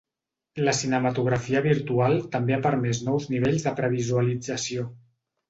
La cinematografia virtual també ha permés nous nivells de previsualització.